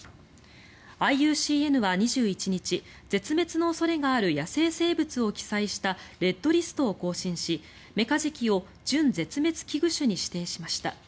ＩＵＣＮは、２１日絶滅の恐れがある野生生物を記載したレッドリストを更新しメカジキを準絶滅危惧種に指定しました。